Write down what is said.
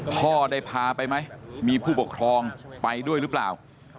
พ่อได้พาไปไหมมีผู้ปกครองไปด้วยหรือเปล่า